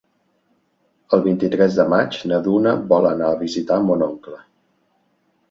El vint-i-tres de maig na Duna vol anar a visitar mon oncle.